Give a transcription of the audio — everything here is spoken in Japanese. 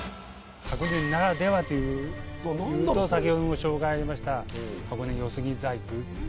箱根ならではというとさきほども紹介ありました箱根寄木細工